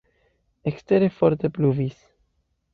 Ekstere forte pluvis.